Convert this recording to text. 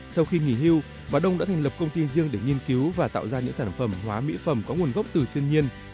sau khi nghỉ hưu bà đông đã thành lập công ty riêng để nghiên cứu và tạo ra những sản phẩm hóa mỹ phẩm có nguồn gốc từ thiên nhiên